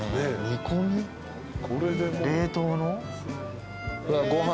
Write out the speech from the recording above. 冷凍の？